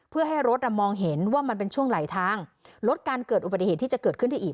เพื่อให้รถมองเห็นว่ามันเป็นช่วงไหลทางลดการเกิดอุบัติเหตุที่จะเกิดขึ้นได้อีก